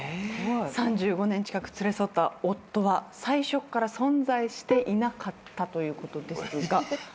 ３５年近く連れ添った夫は最初から存在していなかったということですが。